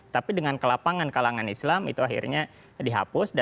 tapi dengan kelapangan kalangan islam itu akhirnya dihapus dan akhirnya menjadi pancasila